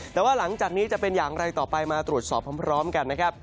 แต่ว่าหลังจากนี้จะเป็นอย่างไรต่อไปมาตรวจสอบพร้อมกันนะครับ